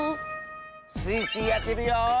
スイスイあてるよ！